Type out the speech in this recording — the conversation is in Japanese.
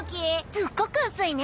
すっごく薄いね！